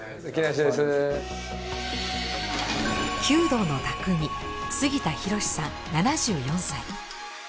弓道の匠杉田博さん７４歳。